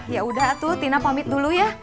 ya udah tuh tina pamit dulu ya